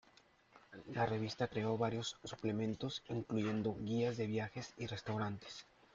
La revista creó varios suplementos, incluyendo guías de viajes y restaurantes.